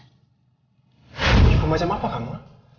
ibu macam apa kamu